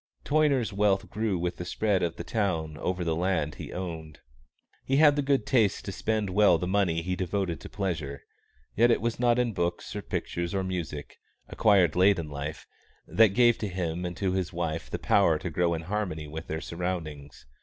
Toyner's wealth grew with the spread of the town over the land he owned. He had the good taste to spend well the money he devoted to pleasure; yet it was not books or pictures or music, acquired late in life, that gave to him and to his wife the power to grow in harmony with their surroundings.